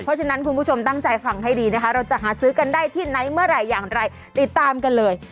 เพราะฉะนั้นคุณผู้ชมตั้งใจฟังให้ดีนะคะเราจะหาซื้อกันได้ที่ไหนเมื่อไหร่อย่างไรติดตามกันเลย